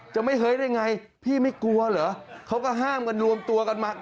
จะไม่เฮ้ยได้ไงพี่ไม่กลัวเหรอเขาก็ห้ามกันรวมตัวกันมา